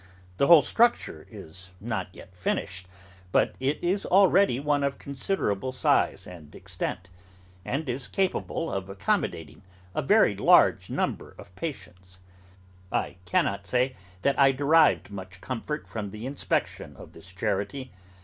The whole structure is not yet finished, but it is already one of considerable size and extent, and is capable of accommodating a very large number of patients. I cannot say that I derived much comfort from the inspection of this charity.